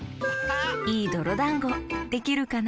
いいどろだんごできるかな？